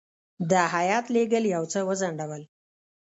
د هیات لېږل یو څه وځنډول.